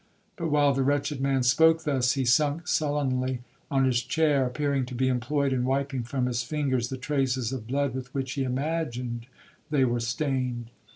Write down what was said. But while the wretched man spoke thus, he sunk sullenly on his chair, appearing to be employed in wiping from his fingers the traces of blood with which he imagined they were stained.